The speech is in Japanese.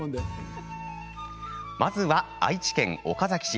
まずは、愛知県岡崎市。